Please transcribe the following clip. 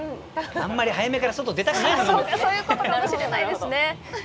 あんまり早めから外に出たくないのかもね。